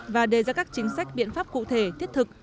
và đề ra các chính sách biện pháp cụ thể thiết thực